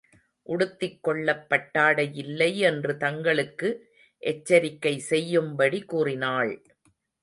உடுத்திக் கொள்ளப் பட்டாடையில்லை என்று தங்களுக்கு எச்சரிக்கை செய்யும்படி கூறினாள்.